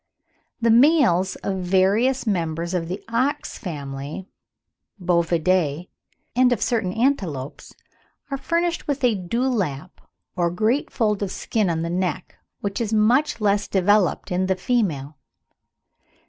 The males of various members of the ox family (Bovidae), and of certain antelopes, are furnished with a dewlap, or great fold of skin on the neck, which is much less developed in the female.